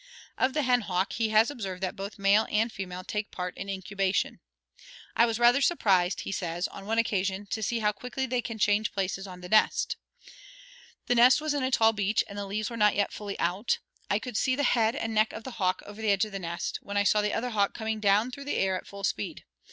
Of the hen hawk, he has observed that both male and female take part in incubation. "I was rather surprised," he says, "on one occasion, to see how quickly they change places on the nest. The nest was in a tall beech, and the leaves were not yet fully out. I could see the head and neck of the hawk over the edge of the nest, when I saw the other hawk coming down through the air at full speed.